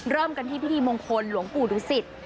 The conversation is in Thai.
เริ่มกันที่พิธีมงคลหลวงปู่ดุสิต